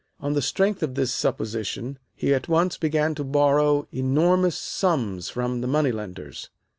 On the strength of this supposition he at once began to borrow enormous sums from the money lenders.